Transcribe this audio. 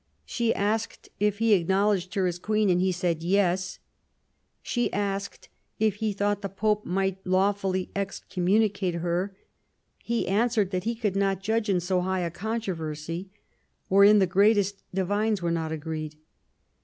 She asked if he acknowledged her as Queen, and he said yes. She asked if he thought the Pope might lawfully excommunicate her. He answered that he could not judge in so high a controversy, wherein the greatest divines were not agreed.